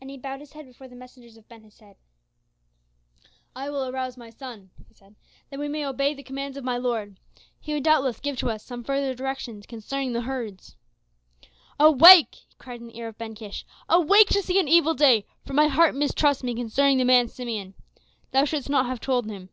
And he bowed his head before the messengers of Ben Hesed. "I will arouse my son," he said, "that we may obey the commands of my lord. He would doubtless give to us some further directions concerning the herds." "Awake!" he cried in the ear of Ben Kish. "Awake to see an evil day, for my heart mistrusts me concerning the man Simeon. Thou shouldst not have told him."